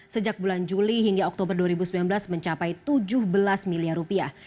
sejak bulan juli hingga oktober dua ribu sembilan belas mencapai tujuh belas miliar rupiah